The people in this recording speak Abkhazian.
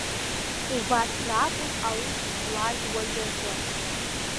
Убарҭ ракәын аус злаз уажәазы.